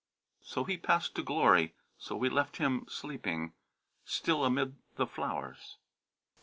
So he passed to glory, So we left him sleeping, still amid the flow'rs.